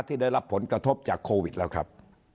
ที่ได้รับผลกระทบจากโควิดแล้วครับ